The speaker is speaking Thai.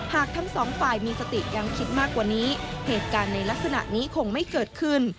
หากทั้งสองฝ่ายมีสติยังคิดมากกว่านี้เหตุการณ์ในลักษณะนี้คงไม่เกิดขึ้น